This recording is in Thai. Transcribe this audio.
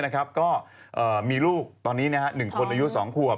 ก็มีลูกตอนนี้๑คนอายุ๒ขวบ